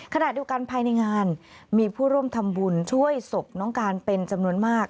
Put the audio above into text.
ขณะเดียวกันภายในงานมีผู้ร่วมทำบุญช่วยศพน้องการเป็นจำนวนมาก